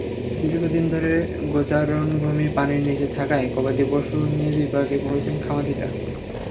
দীর্ঘদিন ধরে গোচারণভূমি পানির নিচে থাকায় গবাদি পশু নিয়ে বিপাকে পড়েছেন খামারিরা।